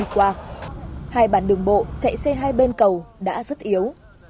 hai bản đường bộ chạy xe hai bên cầu đã rất yếu